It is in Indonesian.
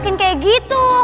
bukan malah nyuruh nyuruh